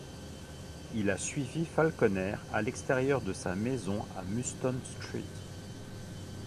Il a suivi Falconer à l'extérieur de sa maison à Muston Street.